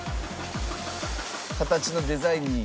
形のデザインに。